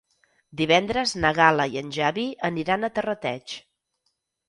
Divendres na Gal·la i en Xavi aniran a Terrateig.